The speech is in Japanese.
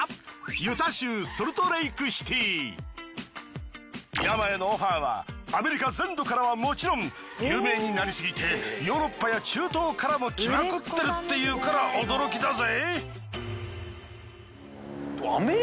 ＹＡＭＡへのオファーはアメリカ全土からはもちろん有名になりすぎてヨーロッパや中東からも来まくってるっていうから驚きだぜ。